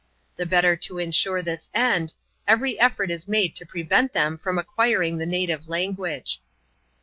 The better to insure this end, every effort is made to prevent them from acquiring the native language.